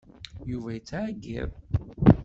Yuba yettɛeyyiḍ.